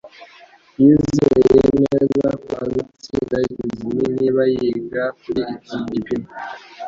Yizeye neza ko azatsinda ikizamini niba yiga kuri iki gipimo.